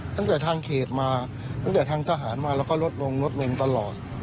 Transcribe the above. ตั้งแต่ทางเขตมาตั้งแต่ทางทหารมาแล้วก็ลดลงลดลงตลอด